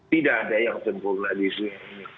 tidak ada yang sempurna di sini